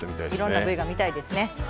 いろんなＶが見たいですね。